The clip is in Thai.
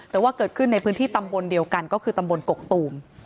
แต่ว่าเกิดขึ้นในพื้นที่ตำบลเดียวกันก็คือตำบลกกตูม